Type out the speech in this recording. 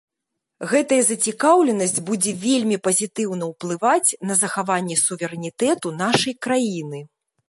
Гэтая зацікаўленасць будзе вельмі пазітыўна ўплываць на захаванне суверэнітэту нашай краіны.